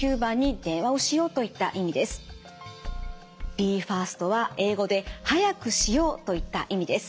ＢＥＦＡＳＴは英語で「早くしよう」といった意味です。